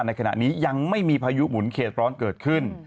ในขณะนี้ยังไม่มีพายุหมุนเขตร้อนเกิดขึ้น